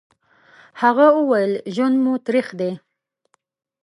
هغه وويل: ژوند مو تريخ دی.